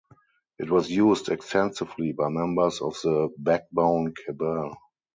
It was used extensively by members of the backbone cabal.